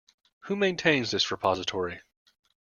Who maintains this repository?